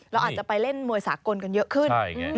เราอาจจะไปเล่นมวยสากลกันเยอะขึ้น